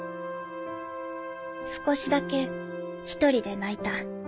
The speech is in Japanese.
少しだけ１人で泣いた。